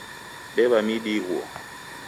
Dew'a midi ighuo